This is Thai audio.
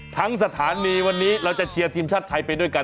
สถานีวันนี้เราจะเชียร์ทีมชาติไทยไปด้วยกัน